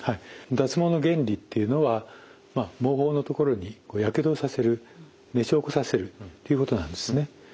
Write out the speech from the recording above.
脱毛の原理っていうのは毛包の所にやけどをさせる熱傷起こさせるということなんですね。